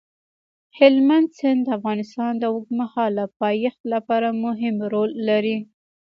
هلمند سیند د افغانستان د اوږدمهاله پایښت لپاره مهم رول لري.